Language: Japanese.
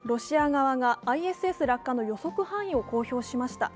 今年３月、ロシア側がＩＳＳ落下の予測範囲を公表しました。